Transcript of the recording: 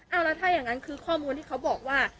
เอาแล้วถ้าอย่างนั้นคือข้อมูลที่เขาบอกว่า